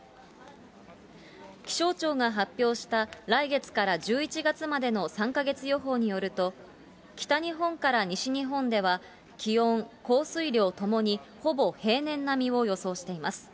気象庁が発表した、来月から１１月までの３か月予報によると、北日本から西日本では、気温、降水量ともにほぼ平年並みを予想しています。